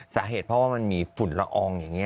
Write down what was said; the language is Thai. สาเหตุเพราะว่ามันมีฝุ่นละอองอย่างนี้